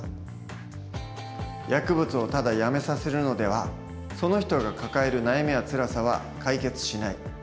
「薬物をただやめさせるのではその人が抱える悩みやつらさは解決しない。